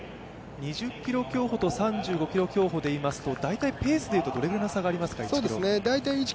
２０ｋｍ競歩と３５ｋｍ競歩でいいますと、大体ペースでいうとどれくらいの差がありますか、１ｋｍ。